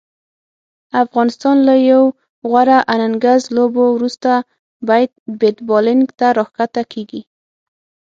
افغانستان له یو غوره اننګز لوبولو وروسته بیت بالینګ ته راښکته کیږي